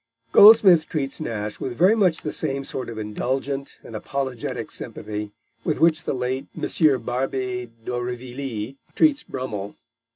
Goldsmith treats Nash with very much the same sort of indulgent and apologetic sympathy with which the late M. Barbey d'Aurevilly treats Brummell.